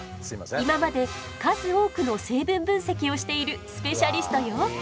今まで数多くの成分分析をしているスペシャリストよ。